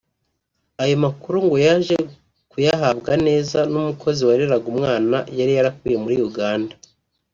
Aya makuru ngo yaje kuyahabwa neza n’umukozi wareraga umwana yari yarakuye muri Uganda